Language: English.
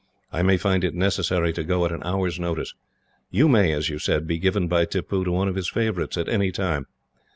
I may find it necessary to go at an hour's notice. You may, as you said, be given by Tippoo to one of his favourites at any time.